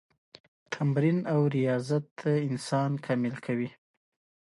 تمرین او ریاضت انسان کامل کوي.